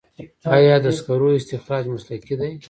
آیا د سکرو استخراج مسلکي دی؟